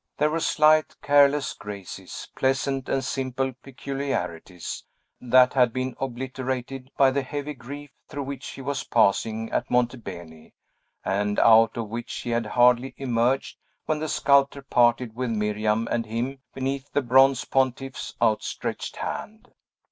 There were slight, careless graces, pleasant and simple peculiarities, that had been obliterated by the heavy grief through which he was passing at Monte Beni, and out of which he had hardly emerged when the sculptor parted with Miriam and him beneath the bronze pontiffs outstretched hand.